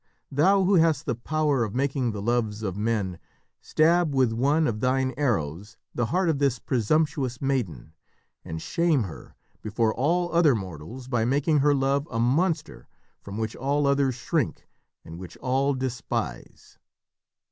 "Thou who hast the power of making the loves of men, stab with one of thine arrows the heart of this presumptuous maiden, and shame her before all other mortals by making her love a monster from which all others shrink and which all despise."